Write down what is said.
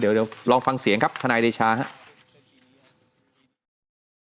เดี๋ยวลองฟังเสียงครับทนายเดชาครับ